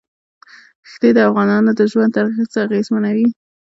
ښتې د افغانانو د ژوند طرز اغېزمنوي.